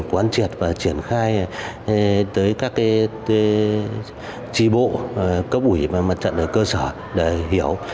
quán triệt và triển khai tới các tri bộ cấp ủy và mặt trận ở cơ sở để hiểu